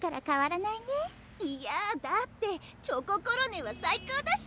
いやだってチョココロネは最高だし！